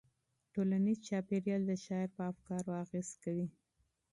ټولنیز چاپیریال د شاعر په افکارو اغېز کوي.